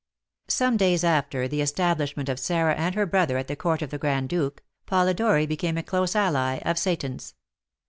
Some days after the establishment of Sarah and her brother at the court of the Grand Duke, Polidori became a close ally of Seyton's.